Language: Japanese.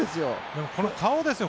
でもこの顔ですよ。